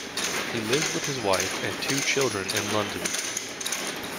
He lives with his wife and two children in London.